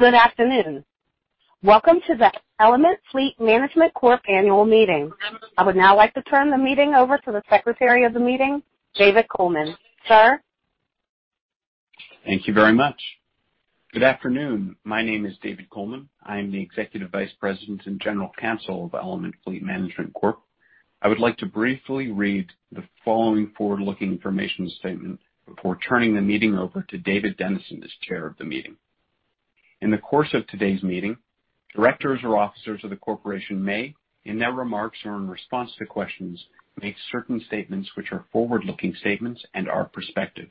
Good afternoon. Welcome to the Element Fleet Management Corp annual meeting. I would now like to turn the meeting over to the secretary of the meeting, David Colman. Sir. Thank you very much. Good afternoon. My name is David Colman. I am the Executive Vice President and General Counsel of Element Fleet Management Corp. I would like to briefly read the following forward-looking information statement before turning the meeting over to David Denison as chair of the meeting. In the course of today's meeting, directors or officers of the corporation may, in their remarks or in response to questions, make certain statements which are forward-looking statements and are prospective.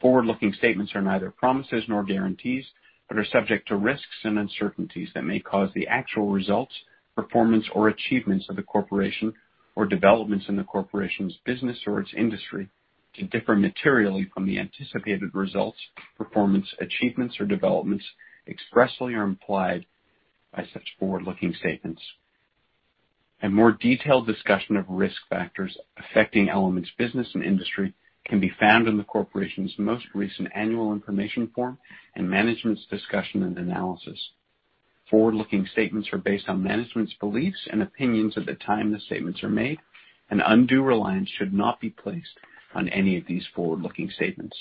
Forward-looking statements are neither promises nor guarantees, but are subject to risks and uncertainties that may cause the actual results, performance, or achievements of the corporation or developments in the corporation's business or its industry to differ materially from the anticipated results, performance, achievements, or developments expressly or implied by such forward-looking statements. A more detailed discussion of risk factors affecting Element's business and industry can be found in the corporation's most recent annual information form and management's discussion and analysis. Forward-looking statements are based on management's beliefs and opinions at the time the statements are made. Undue reliance should not be placed on any of these forward-looking statements.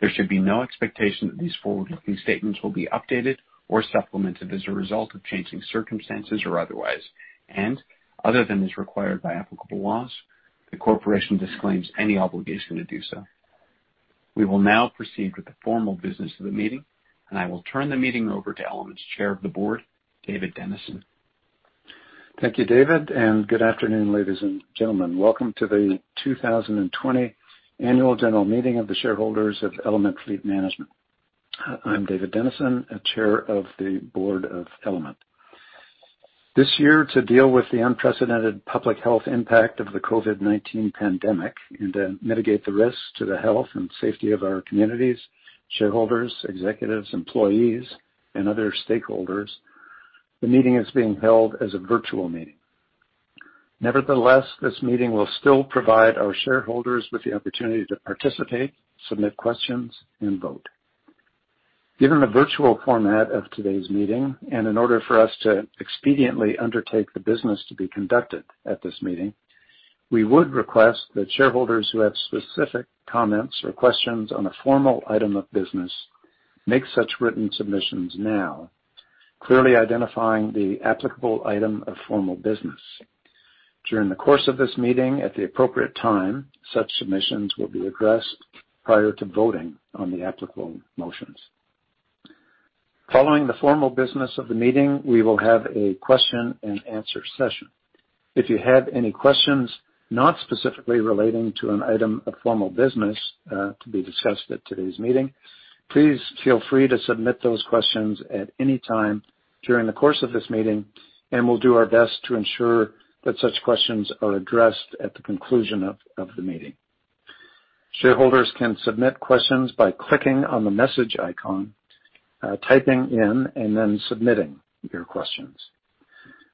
There should be no expectation that these forward-looking statements will be updated or supplemented as a result of changing circumstances or otherwise. Other than as required by applicable laws, the corporation disclaims any obligation to do so. We will now proceed with the formal business of the meeting, and I will turn the meeting over to Element's Chair of the Board, David Denison. Thank you, David. Good afternoon, ladies and gentlemen. Welcome to the 2020 annual general meeting of the shareholders of Element Fleet Management. I'm David Denison, Chair of the Board of Element. This year, to deal with the unprecedented public health impact of the COVID-19 pandemic and to mitigate the risks to the health and safety of our communities, shareholders, executives, employees, and other stakeholders, the meeting is being held as a virtual meeting. This meeting will still provide our shareholders with the opportunity to participate, submit questions, and vote. Given the virtual format of today's meeting, in order for us to expediently undertake the business to be conducted at this meeting, we would request that shareholders who have specific comments or questions on a formal item of business make such written submissions now, clearly identifying the applicable item of formal business. During the course of this meeting, at the appropriate time, such submissions will be addressed prior to voting on the applicable motions. Following the formal business of the meeting, we will have a question and answer session. If you have any questions not specifically relating to an item of formal business to be discussed at today's meeting, please feel free to submit those questions at any time during the course of this meeting. We'll do our best to ensure that such questions are addressed at the conclusion of the meeting. Shareholders can submit questions by clicking on the message icon, typing in, submitting your questions.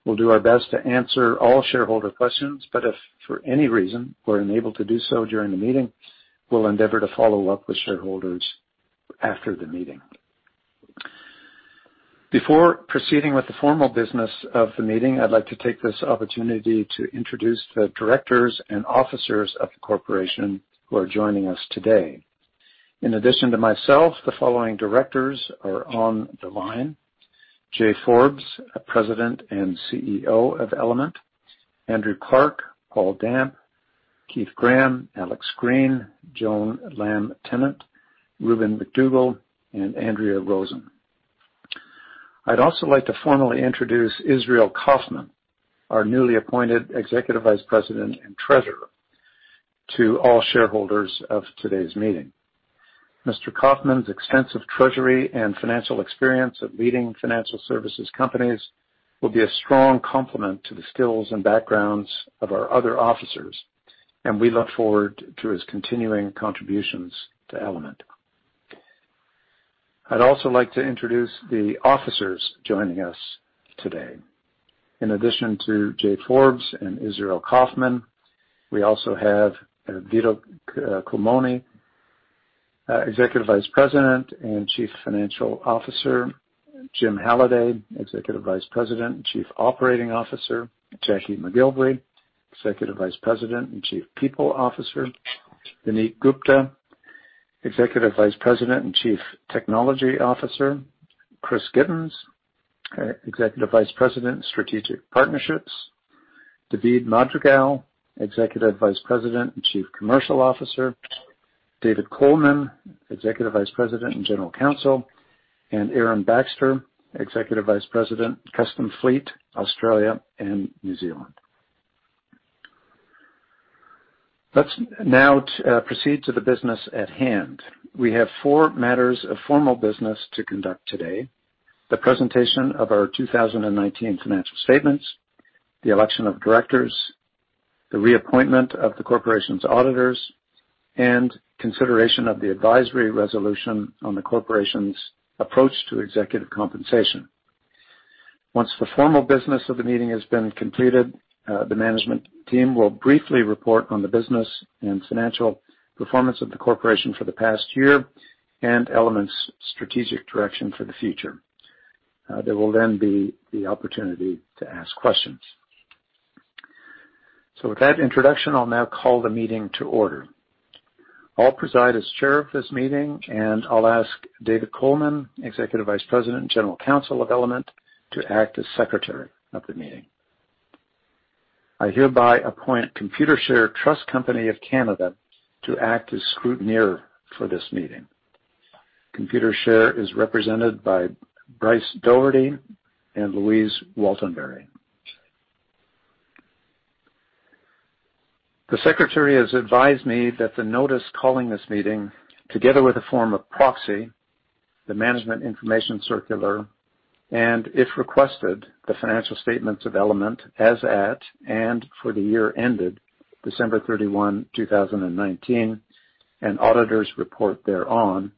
We'll do our best to answer all shareholder questions. If for any reason we're unable to do so during the meeting, we'll endeavor to follow up with shareholders after the meeting. Before proceeding with the formal business of the meeting, I'd like to take this opportunity to introduce the directors and officers of the corporation who are joining us today. In addition to myself, the following directors are on the line: Jay Forbes, President and CEO of Element, Andrew Clarke, Paul Damp, Keith Graham, Alexander Greene, Joan Lamm-Tennant, Rubin McDougal, and Andrea Rosen. I'd also like to formally introduce Israel Kaufman, our newly appointed Executive Vice President and Treasurer, to all shareholders of today's meeting. Mr. Kaufman's extensive treasury and financial experience at leading financial services companies will be a strong complement to the skills and backgrounds of our other officers, and we look forward to his continuing contributions to Element. I'd also like to introduce the officers joining us today. In addition to Jay Forbes and Israel Kaufman, we also have Vito Culmone, Executive Vice President and Chief Financial Officer. Jim Halliday, Executive Vice President and Chief Operating Officer. Jacqui McGillivray, Executive Vice President and Chief People Officer. Vineet Gupta, Executive Vice President and Chief Technology Officer. Chris Gittens, Executive Vice President, Strategic Partnerships. David Madrigal, Executive Vice President and Chief Commercial Officer. David Colman, Executive Vice President and General Counsel, and Aaron Baxter, Executive Vice President, Custom Fleet, Australia and New Zealand. Let's now proceed to the business at hand. We have four matters of formal business to conduct today. The presentation of our 2019 financial statements, the election of directors, the reappointment of the corporation's auditors, and consideration of the advisory resolution on the corporation's approach to executive compensation. Once the formal business of the meeting has been completed, the management team will briefly report on the business and financial performance of the corporation for the past year and Element's strategic direction for the future. There will be the opportunity to ask questions. With that introduction, I'll now call the meeting to order. I'll preside as Chair of this meeting, and I'll ask David Colman, Executive Vice President and General Counsel of Element, to act as Secretary of the meeting. I hereby appoint Computershare Trust Company of Canada to act as scrutineer for this meeting. Computershare is represented by Bryce Doherty and Louise Waltenbury. The Secretary has advised me that the notice calling this meeting, together with a form of proxy, the management information circular, and, if requested, the financial statements of Element as at and for the year ended December 31, 2019, and auditor's report thereon,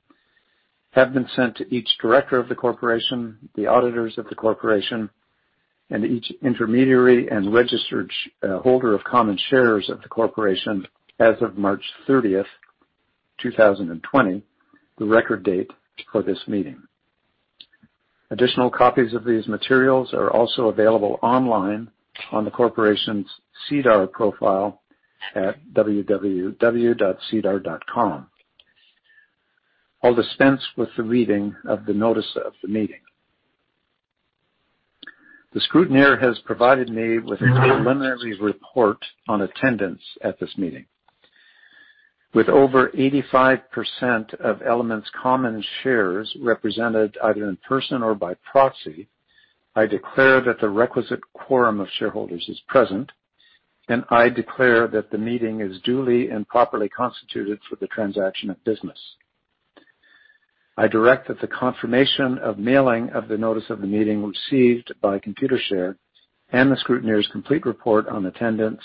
have been sent to each director of the corporation, the auditors of the corporation, and each intermediary and registered holder of common shares of the corporation as of March 30th, 2020, the record date for this meeting. Additional copies of these materials are also available online on the corporation's SEDAR profile at www.sedar.com. I'll dispense with the reading of the notice of the meeting. The scrutineer has provided me with a preliminary report on attendance at this meeting. With over 85% of Element's common shares represented either in person or by proxy, I declare that the requisite quorum of shareholders is present, and I declare that the meeting is duly and properly constituted for the transaction of business. I direct that the confirmation of mailing of the notice of the meeting received by Computershare and the scrutineer's complete report on attendance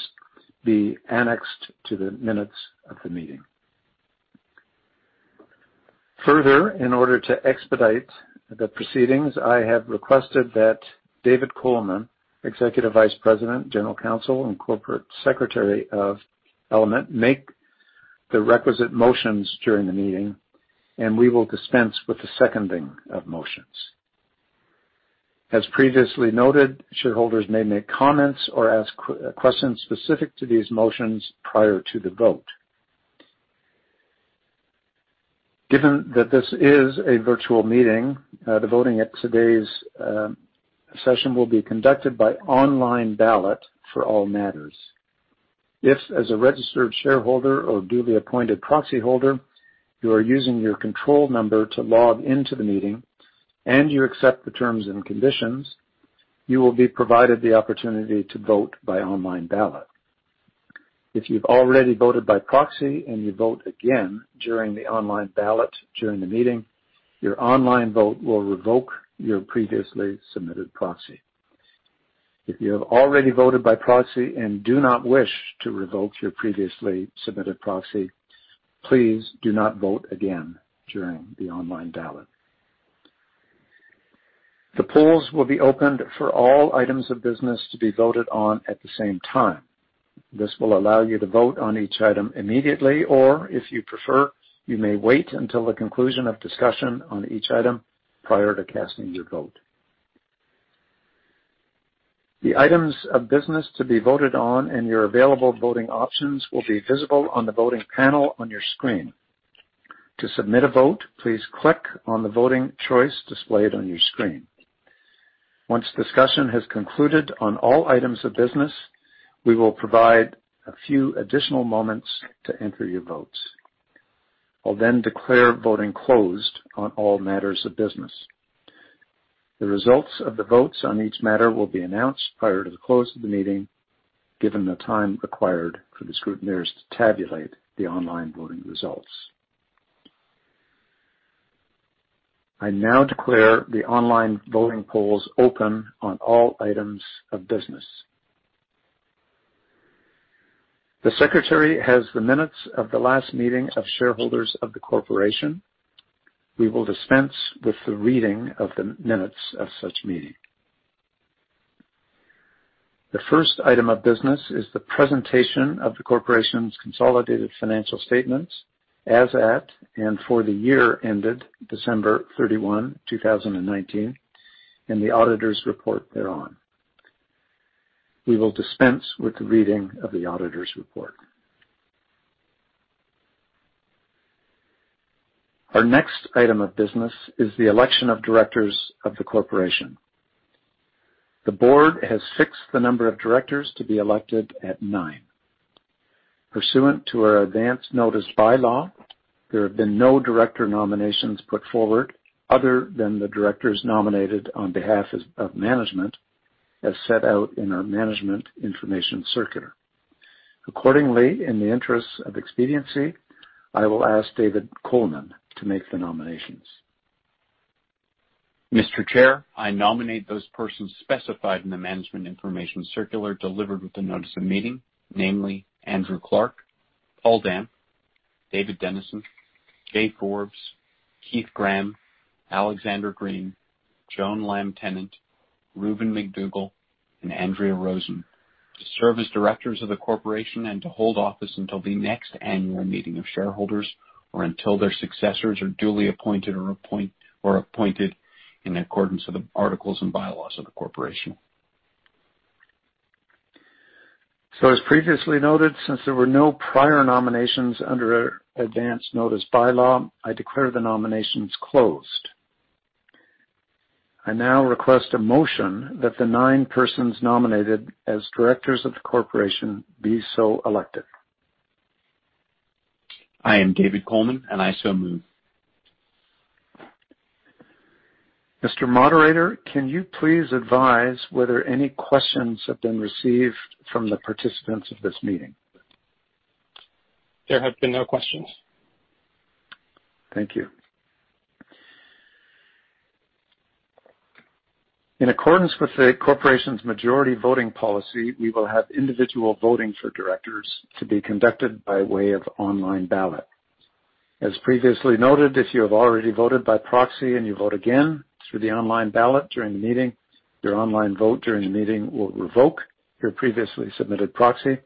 be annexed to the minutes of the meeting. Further, in order to expedite the proceedings, I have requested that David Colman, Executive Vice President, General Counsel, and Corporate Secretary of Element, make the requisite motions during the meeting, and we will dispense with the seconding of motions. As previously noted, shareholders may make comments or ask questions specific to these motions prior to the vote. Given that this is a virtual meeting, the voting at today's session will be conducted by online ballot for all matters. If, as a registered shareholder or duly appointed proxy holder, you are using your control number to log into the meeting and you accept the terms and conditions, you will be provided the opportunity to vote by online ballot. If you've already voted by proxy and you vote again during the online ballot during the meeting, your online vote will revoke your previously submitted proxy. If you have already voted by proxy and do not wish to revoke your previously submitted proxy, please do not vote again during the online ballot. The polls will be opened for all items of business to be voted on at the same time. This will allow you to vote on each item immediately, or if you prefer, you may wait until the conclusion of discussion on each item prior to casting your vote. The items of business to be voted on and your available voting options will be visible on the voting panel on your screen. To submit a vote, please click on the voting choice displayed on your screen. Once discussion has concluded on all items of business, we will provide a few additional moments to enter your votes. I'll then declare voting closed on all matters of business. The results of the votes on each matter will be announced prior to the close of the meeting, given the time required for the scrutineers to tabulate the online voting results. I now declare the online voting polls open on all items of business. The Secretary has the minutes of the last meeting of shareholders of the corporation. We will dispense with the reading of the minutes of such meeting. The first item of business is the presentation of the corporation's consolidated financial statements as at and for the year ended December 31, 2019, and the auditor's report thereon. We will dispense with the reading of the auditor's report. Our next item of business is the election of directors of the corporation. The board has fixed the number of directors to be elected at nine. Pursuant to our advance notice bylaw, there have been no director nominations put forward other than the directors nominated on behalf of management as set out in our management information circular. Accordingly, in the interests of expediency, I will ask David Colman to make the nominations. Mr. Chair, I nominate those persons specified in the management information circular delivered with the notice of meeting, namely Andrew Clarke, Paul Damp, David Denison, Jay Forbes, Keith Graham, Alexander Greene, Joan Lamm-Tennant, Rubin McDougal, and Andrea Rosen to serve as directors of the corporation and to hold office until the next annual meeting of shareholders, or until their successors are duly appointed or appointed in accordance with the articles and bylaws of the corporation. As previously noted, since there were no prior nominations under our advance notice bylaw, I declare the nominations closed. I now request a motion that the nine persons nominated as directors of the corporation be so elected. I am David Colman, and I so move. Mr. Moderator, can you please advise whether any questions have been received from the participants of this meeting? There have been no questions. Thank you. In accordance with the Corporation's majority voting policy, we will have individual voting for directors to be conducted by way of online ballot. As previously noted, if you have already voted by proxy and you vote again through the online ballot during the meeting, your online vote during the meeting will revoke your previously submitted proxy.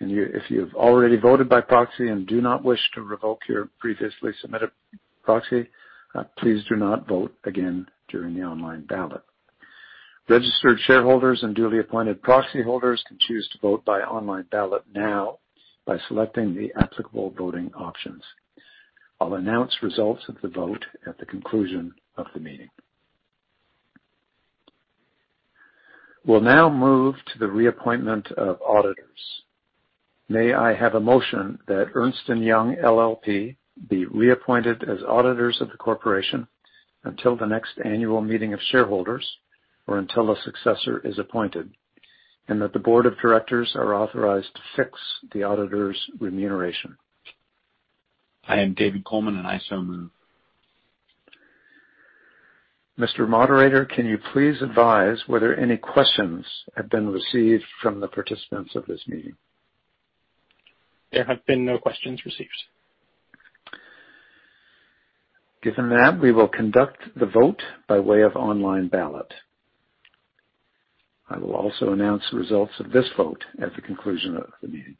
If you've already voted by proxy and do not wish to revoke your previously submitted proxy, please do not vote again during the online ballot. Registered shareholders and duly appointed proxy holders can choose to vote by online ballot now by selecting the applicable voting options. I'll announce results of the vote at the conclusion of the meeting. We'll now move to the reappointment of auditors. May I have a motion that Ernst & Young LLP be reappointed as auditors of the corporation until the next annual meeting of shareholders, or until a successor is appointed, and that the Board of Directors are authorized to fix the auditors' remuneration? I am David Colman, and I so move. Mr. Moderator, can you please advise whether any questions have been received from the participants of this meeting? There have been no questions received. Given that, we will conduct the vote by way of online ballot. I will also announce the results of this vote at the conclusion of the meeting.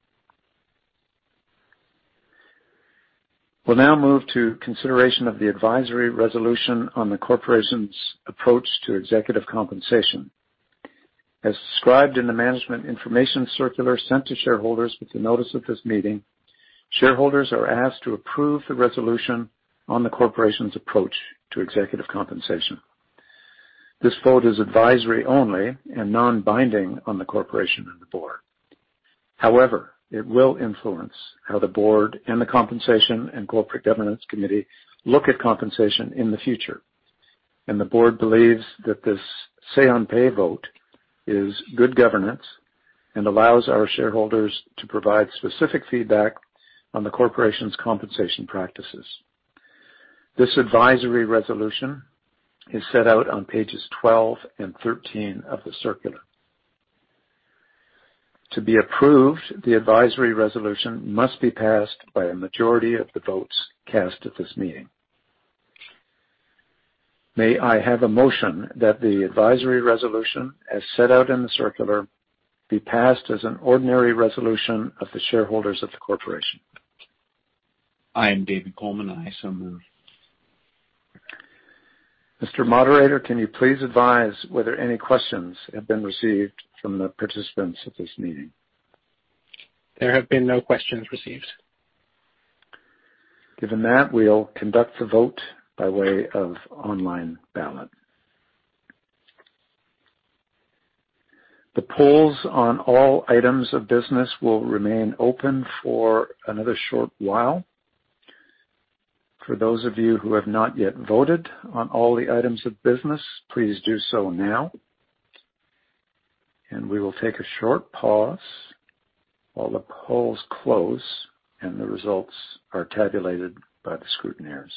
We will now move to consideration of the advisory resolution on the corporation's approach to executive compensation. As described in the management information circular sent to shareholders with the notice of this meeting, shareholders are asked to approve the resolution on the corporation's approach to executive compensation. This vote is advisory only and non-binding on the corporation and the board. However, it will influence how the board and the Compensation and Corporate Governance Committee look at compensation in the future. The board believes that this say on pay vote is good governance and allows our shareholders to provide specific feedback on the corporation's compensation practices. This advisory resolution is set out on pages 12 and 13 of the circular. To be approved, the advisory resolution must be passed by a majority of the votes cast at this meeting. May I have a motion that the advisory resolution, as set out in the circular, be passed as an ordinary resolution of the shareholders of the corporation? I am David Colman, and I so move. Mr. Moderator, can you please advise whether any questions have been received from the participants of this meeting? There have been no questions received. Given that, we'll conduct the vote by way of online ballot. The polls on all items of business will remain open for another short while. For those of you who have not yet voted on all the items of business, please do so now, and we will take a short pause while the polls close and the results are tabulated by the scrutineers.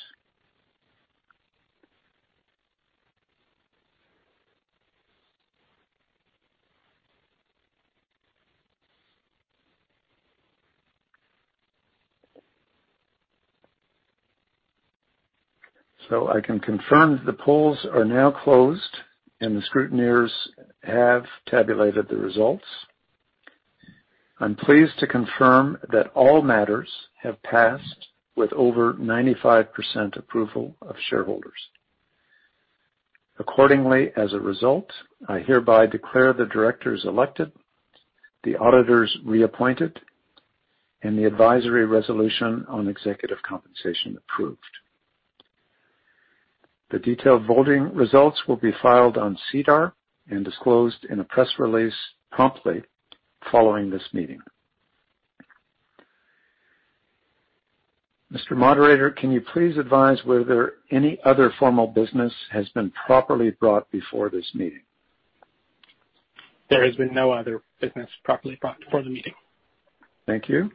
I can confirm the polls are now closed, and the scrutineers have tabulated the results. I'm pleased to confirm that all matters have passed with over 95% approval of shareholders. Accordingly, as a result, I hereby declare the directors elected, the auditors reappointed, and the advisory resolution on executive compensation approved. The detailed voting results will be filed on SEDAR and disclosed in a press release promptly following this meeting. Mr. Moderator, can you please advise whether any other formal business has been properly brought before this meeting? There has been no other business properly brought before the meeting. Thank you.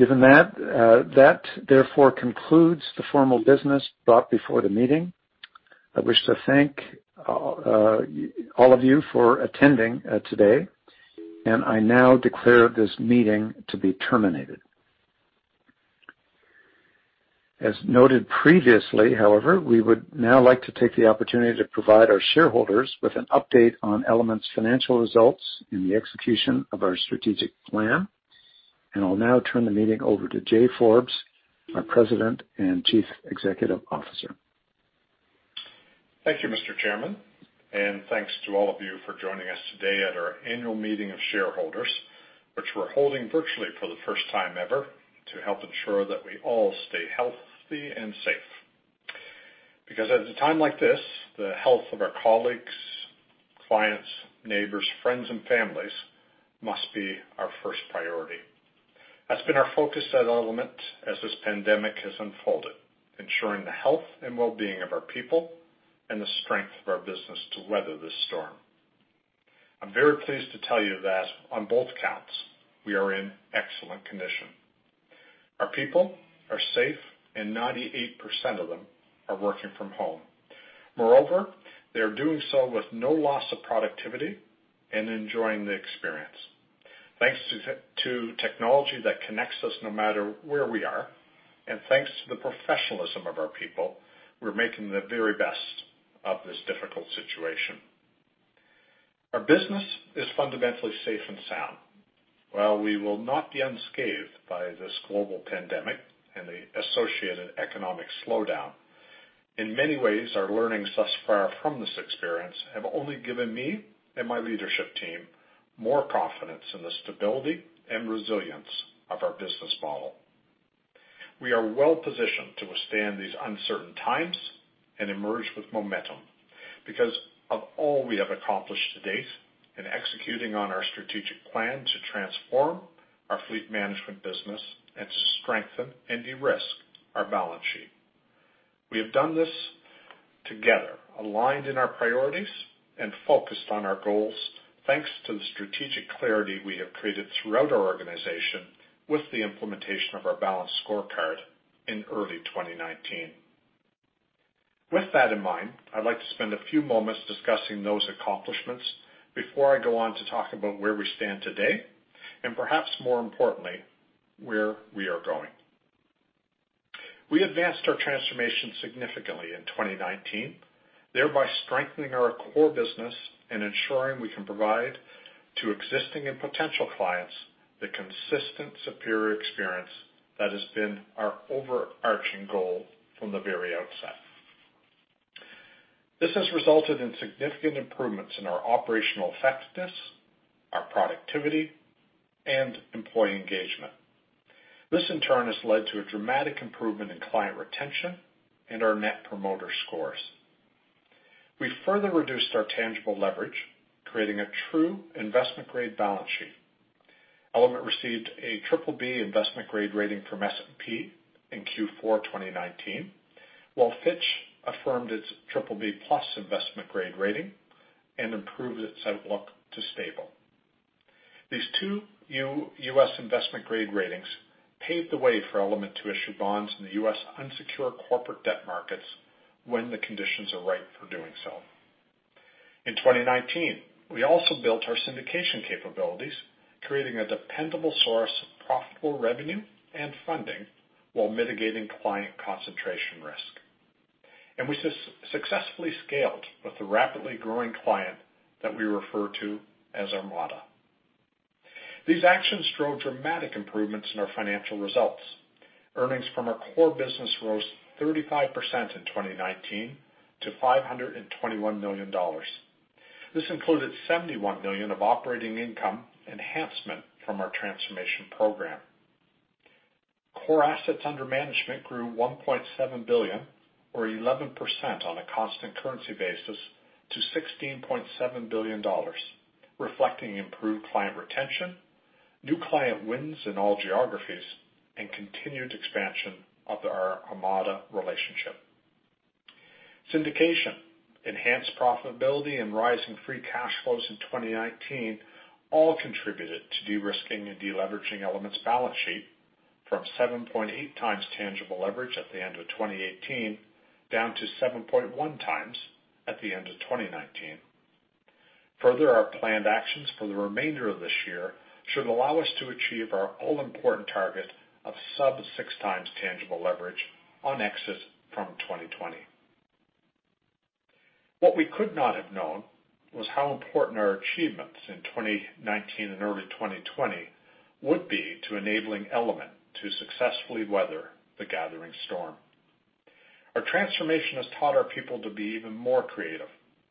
Given that, therefore concludes the formal business brought before the meeting. I wish to thank all of you for attending today, and I now declare this meeting to be terminated. As noted previously, however, we would now like to take the opportunity to provide our shareholders with an update on Element's financial results and the execution of our strategic plan. I'll now turn the meeting over to Jay Forbes, our President and Chief Executive Officer. Thank you, Mr. Chairman. Thanks to all of you for joining us today at our annual meeting of shareholders, which we're holding virtually for the first time ever to help ensure that we all stay healthy and safe. At a time like this, the health of our colleagues, clients, neighbors, friends, and families must be our first priority. That's been our focus at Element as this pandemic has unfolded, ensuring the health and wellbeing of our people and the strength of our business to weather this storm. I'm very pleased to tell you that on both counts, we are in excellent condition. Our people are safe. 98% of them are working from home. Moreover, they are doing so with no loss of productivity and enjoying the experience. Thanks to technology that connects us no matter where we are, and thanks to the professionalism of our people, we're making the very best of this difficult situation. Our business is fundamentally safe and sound. While we will not be unscathed by this global pandemic and the associated economic slowdown, in many ways, our learnings thus far from this experience have only given me and my leadership team more confidence in the stability and resilience of our business model. We are well-positioned to withstand these uncertain times and emerge with momentum because of all we have accomplished to date in executing on our strategic plan to transform our fleet management business and to strengthen and de-risk our balance sheet. We have done this together, aligned in our priorities, and focused on our goals, thanks to the strategic clarity we have created throughout our organization with the implementation of our Balanced Scorecard in early 2019. With that in mind, I'd like to spend a few moments discussing those accomplishments before I go on to talk about where we stand today, and perhaps more importantly, where we are going. We advanced our transformation significantly in 2019, thereby strengthening our core business and ensuring we can provide to existing and potential clients the consistent superior experience that has been our overarching goal from the very outset. This has resulted in significant improvements in our operational effectiveness, our productivity, and employee engagement. This, in turn, has led to a dramatic improvement in client retention and our Net Promoter Scores. We further reduced our tangible leverage, creating a true investment-grade balance sheet. Element received a BBB investment-grade rating from S&P in Q4 2019, while Fitch affirmed its BBB+ investment-grade rating and improved its outlook to stable. These two U.S. investment-grade ratings paved the way for Element to issue bonds in the U.S. unsecured corporate debt markets when the conditions are right for doing so. In 2019, we also built our syndication capabilities, creating a dependable source of profitable revenue and funding while mitigating client concentration risk. We successfully scaled with the rapidly growing client that we refer to as Armada. These actions drove dramatic improvements in our financial results. Earnings from our core business rose 35% in 2019 to 521 million dollars. This included 71 million of operating income enhancement from our transformation program. Core assets under management grew 1.7 billion or 11% on a constant currency basis to 16.7 billion dollars, reflecting improved client retention, new client wins in all geographies, and continued expansion of our Armada relationship. Syndication, enhanced profitability, and rising free cash flows in 2019 all contributed to de-risking and de-leveraging Element's balance sheet from 7.8 times tangible leverage at the end of 2018 down to 7.1 times at the end of 2019. Further, our planned actions for the remainder of this year should allow us to achieve our all-important target of sub 6 times tangible leverage on exit from 2020. What we could not have known was how important our achievements in 2019 and early 2020 would be to enabling Element to successfully weather the gathering storm. Our transformation has taught our people to be even more creative,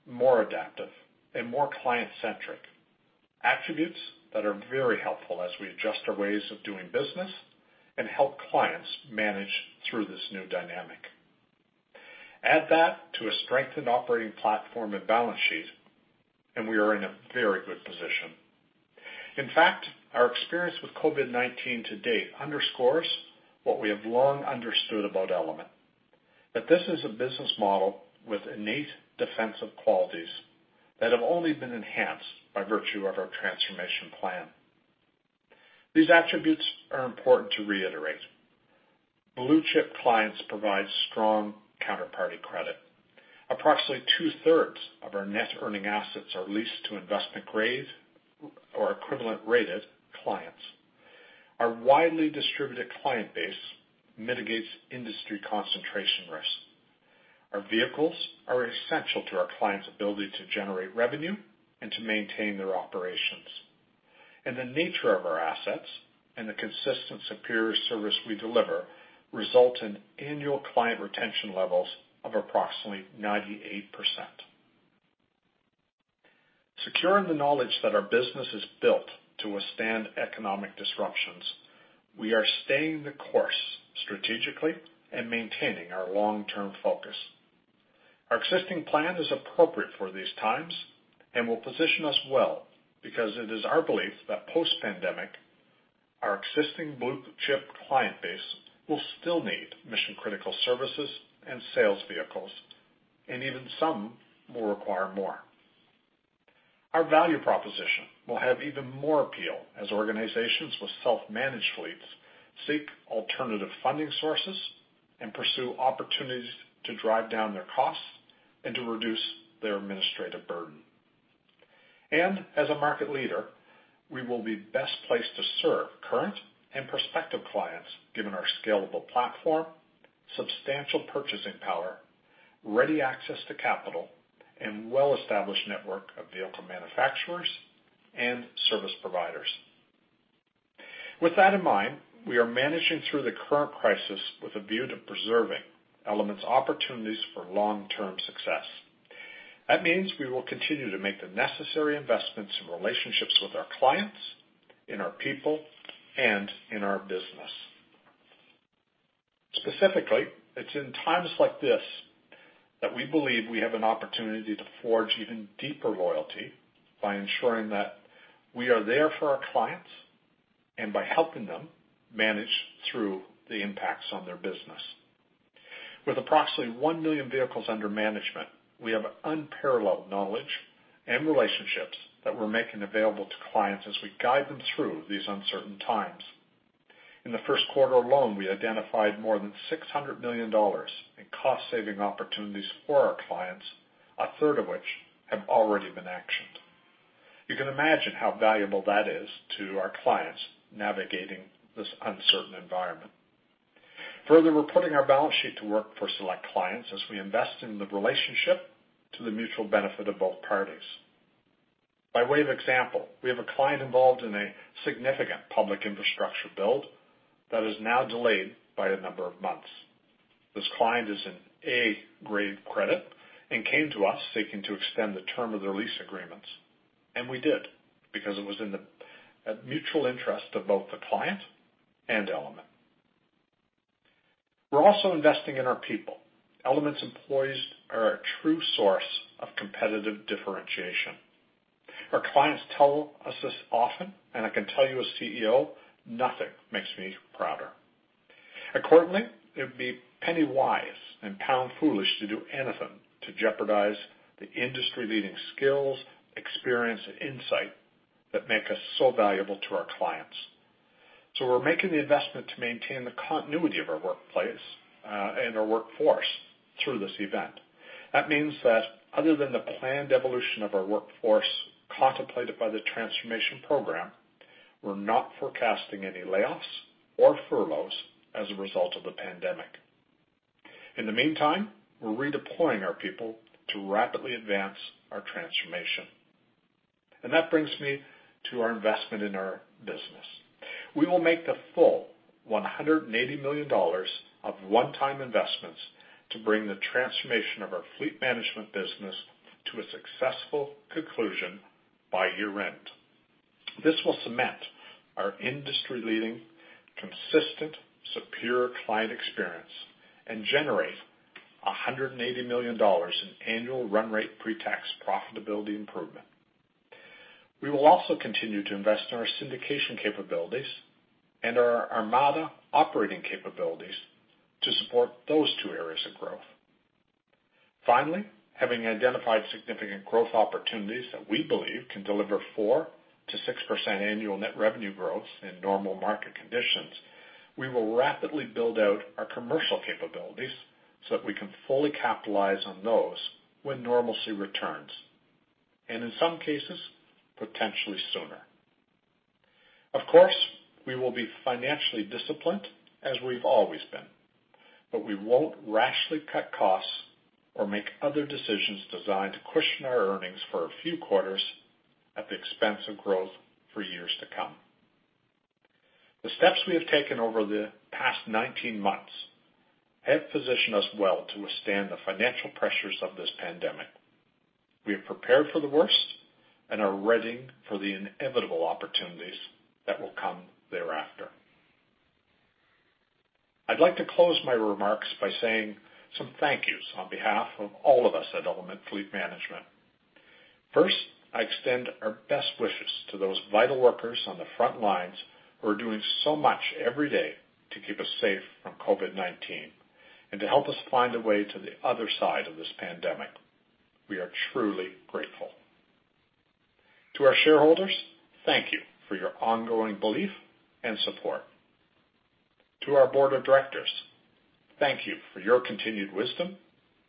more adaptive, and more client-centric. Attributes that are very helpful as we adjust our ways of doing business and help clients manage through this new dynamic. Add that to a strengthened operating platform and balance sheet, and we are in a very good position. In fact, our experience with COVID-19 to date underscores what we have long understood about Element. This is a business model with innate defensive qualities that have only been enhanced by virtue of our transformation plan. These attributes are important to reiterate. Blue-chip clients provide strong counterparty credit. Approximately two-thirds of our net earning assets are leased to investment grade or equivalent rated clients. Our widely distributed client base mitigates industry concentration risk. Our vehicles are essential to our clients' ability to generate revenue and to maintain their operations. The nature of our assets and the consistent superior service we deliver result in annual client retention levels of approximately 98%. Secure in the knowledge that our business is built to withstand economic disruptions, we are staying the course strategically and maintaining our long-term focus. Our existing plan is appropriate for these times and will position us well because it is our belief that post-pandemic, our existing blue-chip client base will still need mission-critical services and sales vehicles, and even some will require more. Our value proposition will have even more appeal as organizations with self-managed fleets seek alternative funding sources and pursue opportunities to drive down their costs and to reduce their administrative burden. As a market leader, we will be best placed to serve current and prospective clients, given our scalable platform, substantial purchasing power, ready access to capital, and well-established network of vehicle manufacturers and service providers. With that in mind, we are managing through the current crisis with a view to preserving Element's opportunities for long-term success. That means we will continue to make the necessary investments in relationships with our clients, in our people, and in our business. Specifically, it's in times like this that we believe we have an opportunity to forge even deeper loyalty by ensuring that we are there for our clients and by helping them manage through the impacts on their business. With approximately 1 million vehicles under management, we have unparalleled knowledge and relationships that we're making available to clients as we guide them through these uncertain times. In the first quarter alone, we identified more than 600 million dollars in cost-saving opportunities for our clients, a third of which have already been actioned. You can imagine how valuable that is to our clients navigating this uncertain environment. Further, we're putting our balance sheet to work for select clients as we invest in the relationship to the mutual benefit of both parties. By way of example, we have a client involved in a significant public infrastructure build that is now delayed by a number of months. This client is an A-grade credit and came to us seeking to extend the term of their lease agreements, and we did, because it was in the mutual interest of both the client and Element. We're also investing in our people. Element's employees are our true source of competitive differentiation. Our clients tell us this often, and I can tell you as CEO, nothing makes me prouder. Accordingly, it would be penny-wise and pound-foolish to do anything to jeopardize the industry-leading skills, experience, and insight that make us so valuable to our clients. We're making the investment to maintain the continuity of our workplace and our workforce through this event. That means that other than the planned evolution of our workforce contemplated by the Transformation Program, we're not forecasting any layoffs or furloughs as a result of the pandemic. In the meantime, we're redeploying our people to rapidly advance our Transformation. That brings me to our investment in our business. We will make the full 180 million dollars of one-time investments to bring the Transformation of our fleet management business to a successful conclusion by year-end. This will cement our industry-leading, consistent, superior client experience and generate 180 million dollars in annual run rate pre-tax profitability improvement. We will also continue to invest in our syndication capabilities and our Armada operating capabilities to support those two areas of growth. Having identified significant growth opportunities that we believe can deliver 4%-6% annual net revenue growth in normal market conditions, we will rapidly build out our commercial capabilities so that we can fully capitalize on those when normalcy returns, and in some cases, potentially sooner. We will be financially disciplined as we've always been, but we won't rashly cut costs or make other decisions designed to cushion our earnings for a few quarters at the expense of growth for years to come. The steps we have taken over the past 19 months have positioned us well to withstand the financial pressures of this pandemic. We are prepared for the worst and are readying for the inevitable opportunities that will come thereafter. I'd like to close my remarks by saying some thank you's on behalf of all of us at Element Fleet Management. First, I extend our best wishes to those vital workers on the front lines who are doing so much every day to keep us safe from COVID-19 and to help us find a way to the other side of this pandemic. We are truly grateful. To our shareholders, thank you for your ongoing belief and support. To our board of directors, thank you for your continued wisdom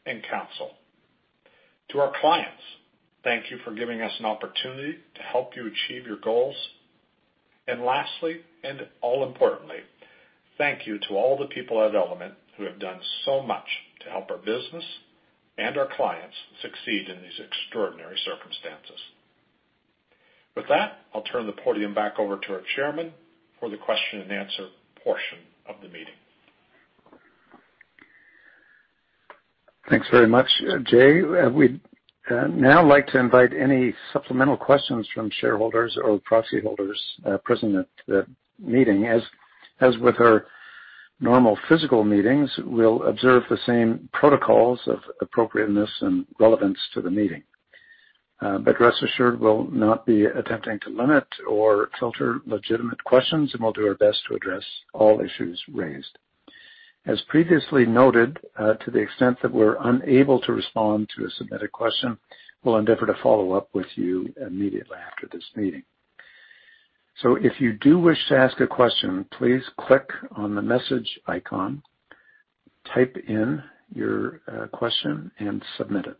and counsel. To our clients, thank you for giving us an opportunity to help you achieve your goals. Lastly, and all importantly, thank you to all the people at Element who have done so much to help our business and our clients succeed in these extraordinary circumstances. With that, I'll turn the podium back over to our chairman for the question and answer portion of the meeting. Thanks very much, Jay. We'd now like to invite any supplemental questions from shareholders or proxy holders present at the meeting. Rest assured, we'll not be attempting to limit or filter legitimate questions, and we'll do our best to address all issues raised. As previously noted, to the extent that we're unable to respond to a submitted question, we'll endeavor to follow up with you immediately after this meeting. If you do wish to ask a question, please click on the message icon, type in your question, and submit it.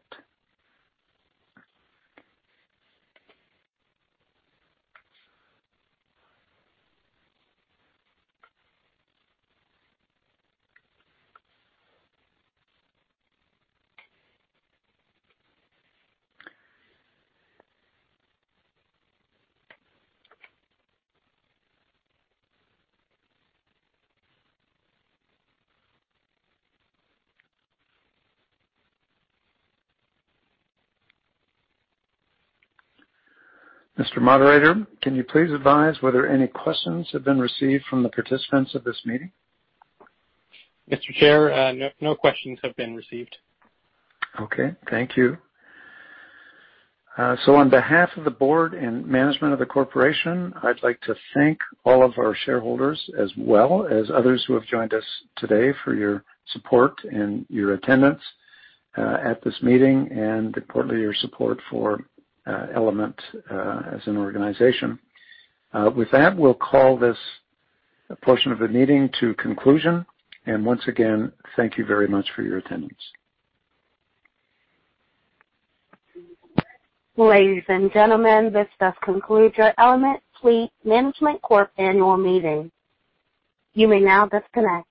Mr. Moderator, can you please advise whether any questions have been received from the participants of this meeting? Mr. Chair, no questions have been received. Okay. Thank you. On behalf of the board and management of the Corporation, I'd like to thank all of our shareholders, as well as others who have joined us today, for your support and your attendance at this meeting and importantly, your support for Element as an organization. With that, we'll call this portion of the meeting to conclusion. Once again, thank you very much for your attendance. Ladies and gentlemen, this does conclude your Element Fleet Management Corp annual meeting. You may now disconnect.